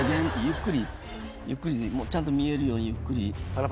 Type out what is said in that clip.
ちゃんと見えるようにゆっくり。